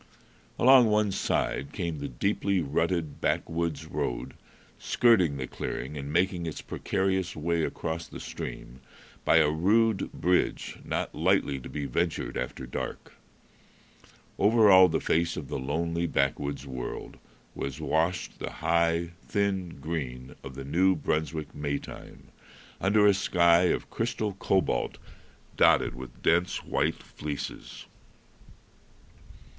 Along one side came the deeply rutted backwoods road, skirting the clearing and making its precarious way across the stream by a rude bridge not lightly to be ventured after dark. Over all the face of the lonely backwoods world was washed the high, thin green of the New Brunswick May time, under a sky of crystal cobalt dotted with dense white fleeces.